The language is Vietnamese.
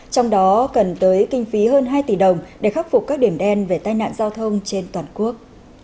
trong đó cần tới kinh phí hơn hai tỷ đồng để khắc phục các điểm đen về tai nạn giao thông trên toàn quốc